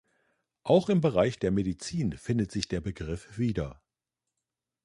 Auch im Bereich der Medizin findet sich der Begriff wieder.